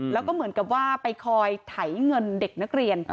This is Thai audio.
แล้วก็เหมือนกับว่าไปคอยไถเงินเด็กนักเรียน